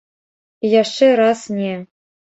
І яшчэ раз не.